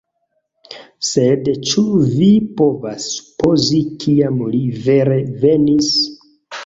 Sed ĉu vi povas supozi kiam li vere venis?